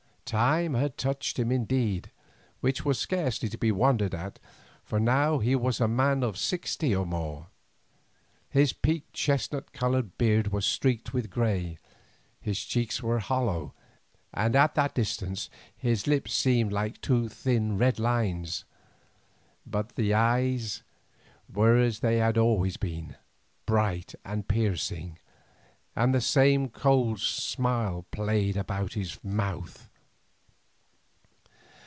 Time had touched him indeed, which was scarcely to be wondered at, for now he was a man of sixty or more. His peaked chestnut coloured beard was streaked with grey, his cheeks were hollow, and at that distance his lips seemed like two thin red lines, but the eyes were as they had always been, bright and piercing, and the same cold smile played about his mouth.